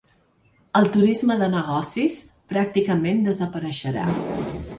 El turisme de negocis pràcticament desapareixerà.